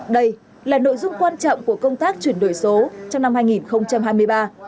đây là nội dung quan trọng của công tác chuyển đổi số trong năm hai nghìn hai mươi ba